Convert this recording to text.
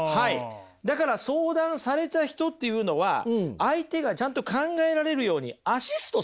だから相談された人っていうのは相手がちゃんと考えられるようにアシストするだけなんですよ。